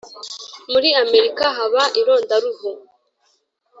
muri amerika haba irondaruhu